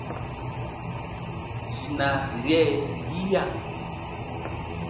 Jina lie iya?